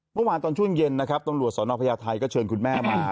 เมื่อวานตอนช่วงเย็นนะครับตำรวจสนพญาไทยก็เชิญคุณแม่มา